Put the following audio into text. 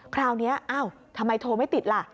คราวนี้อ้าวทำไมโทรไม่ติดล่ะ